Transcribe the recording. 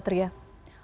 terima kasih pak